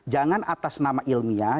jangan atas nama ilmiah